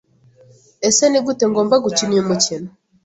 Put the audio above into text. ese ni gute ngomba gukina uyu mukino